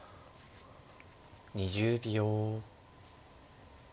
２０秒。